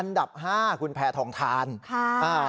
อันดับห้าคุณแผ่ทองทานค่ะ